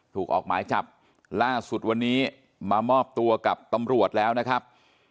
ออกหมายจับล่าสุดวันนี้มามอบตัวกับตำรวจแล้วนะครับ